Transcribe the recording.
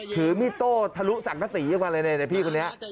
ถือมิโต้ทะลุสั่งศักดิ์ศรีกว่าเลยในพี่คนนี้